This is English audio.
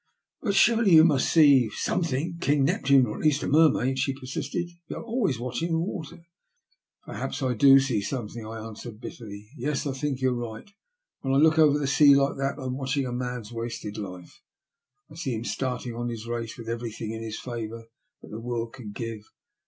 ^'But surely yon must see something — ^Eing Neptune, or at least a mermaid," she persisted. ^* You are always watching the water." Perhaps I do see something,'* I answered bitterly. Tes ; I think you are right. When I look over the sea like thai I am watching a man's wasted life. I see him starting on his race with everything in his favour that the world can give.